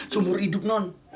semur hidup non